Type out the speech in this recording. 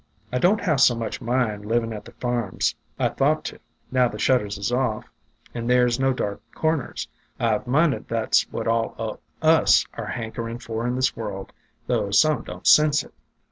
"I don't half so much mind livin' at the farm 's I thought to, now the shutters is off and there 's no dark corners. I 've minded that 's what all o' us are hankerin' for in this world, though some don't sense it.